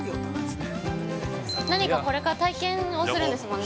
◆何か、これから体験をするんですもんね。